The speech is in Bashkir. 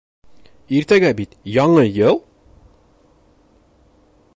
Иртәгә бит Яңы йыл!